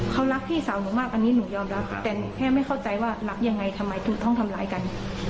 เขารักพี่สาวหนูมากอันนี้หนูยอมรับแต่หนูแค่ไม่เข้าใจว่ารักยังไงทำไมถึงต้องทำร้ายกัน